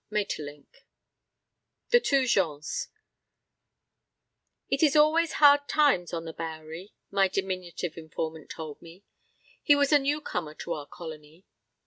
Maeterlinck. The Two Jeans "It is always hard times on the Bowery," my diminutive informant told me. He was a new comer to our Colony.